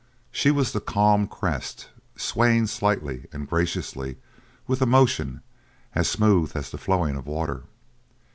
She was the calm crest, swaying slightly and graciously with a motion as smooth as the flowing of water.